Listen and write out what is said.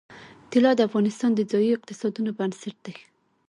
طلا د افغانستان د ځایي اقتصادونو بنسټ دی.